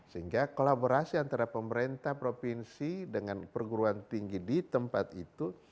sehingga kolaborasi antara pemerintah provinsi dengan perguruan tinggi di tempat itu